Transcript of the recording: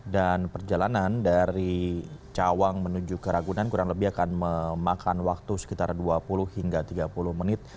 dan perjalanan dari cawang menuju ke ragunan kurang lebih akan memakan waktu sekitar dua puluh hingga tiga puluh menit